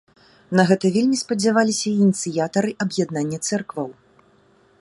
На гэта вельмі спадзяваліся ініцыятары аб'яднання цэркваў.